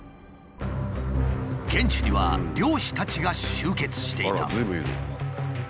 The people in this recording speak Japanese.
現地には猟師たちが集結していた。